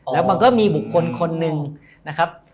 แล้วมันก็มีบุคคลคนหนึ่งนะครับ